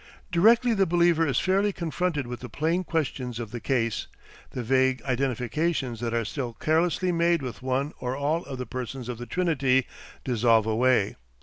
Directly the believer is fairly confronted with the plain questions of the case, the vague identifications that are still carelessly made with one or all of the persons of the Trinity dissolve away.